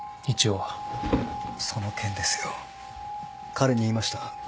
彼に言いました。